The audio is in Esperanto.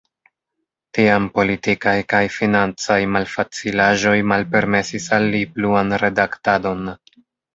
Tiam politikaj kaj financaj malfacilaĵoj malpermesis al li pluan redaktadon.